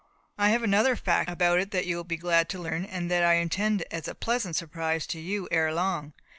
I have another fact about it that you will be glad to learn, and that I intended as a pleasant surprise to you ere long.